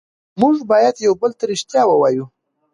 موږ باید یو بل ته ریښتیا ووایو